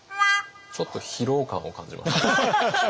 ちょっと疲労感を感じます。